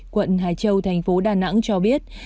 quận hải châu thành phố đà nẵng cho biết